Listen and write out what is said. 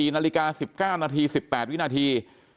๔นาฬิกา๑๙นาที๑๘วินาที